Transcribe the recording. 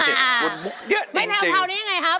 ไม่แพลวนี่ยังไงครับ